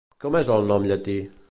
Com és el nom llatí?